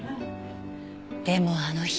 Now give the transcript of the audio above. でもあの日。